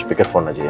speakerphone aja ya